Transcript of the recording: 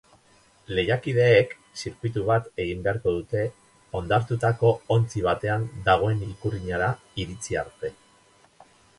Lehiakideek zirkuitu bat egin beharko dute hondartutako ontzi batean dagoen ikurrinara iritsi arte.